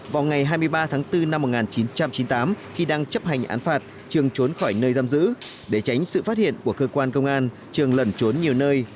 vào ngày hai mươi ba tháng bốn năm một nghìn chín trăm chín mươi tám khi đang chấp hành án phạt trường trốn khỏi nơi giam giữ để tránh sự phát hiện của cơ quan công an trường lẩn trốn nhiều nơi